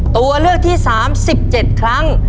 ตัวเลือกที่๓๑๗ครั้ง